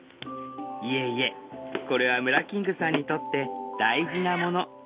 いえいえこれはムラキングさんにとって大事なもの。